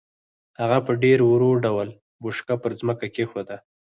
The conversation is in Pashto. هغه په ډېر ورو ډول بوشکه پر ځمکه کېښوده.